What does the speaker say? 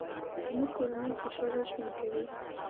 زموږ کورنۍ خوشحاله ژوند کوي